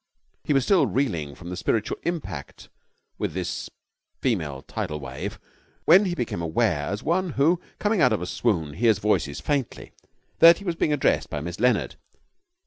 He was still reeling from the spiritual impact with this female tidal wave when he became aware, as one who, coming out of a swoon, hears voices faintly, that he was being addressed by Miss Leonard.